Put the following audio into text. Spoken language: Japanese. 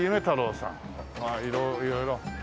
わあ色々。